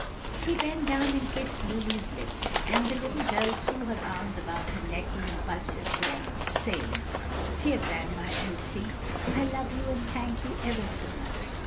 She bent down and kissed Lulu's lips, and the little girl threw her arms about her neck with impulsive warmth, saying, "Dear Grandma Elsie, I love you and thank you ever so much!